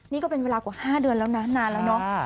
นี่ก็เป็นเวลากว่า๕เดือนแล้วนะนานแล้วเนาะ